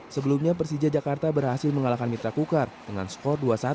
sebelumnya persija jakarta berhasil mengalahkan mitra kukar dengan skor dua satu